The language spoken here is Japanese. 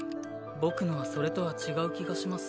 僕のはそれとは違う気がします。